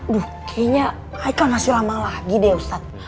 aduh kayaknya aikal masih lama lagi deh ustadz